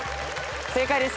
正解です。